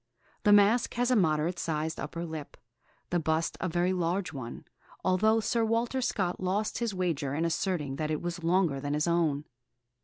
The mask has a moderate sized upper lip, the bust a very large one, although Sir Walter Scott lost his wager in asserting that it was longer than his own.